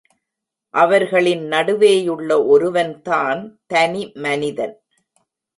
அவர்களின் நடுவேயுள்ள ஒருவன் தான் தனி மனிதன்.